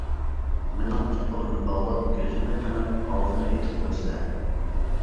مېنىڭ پۇت قولۇمنى باغلاپ، كۆزۈمنى تېڭىپ، ئاغزىمنى ئېتىپ قويىسىلەر.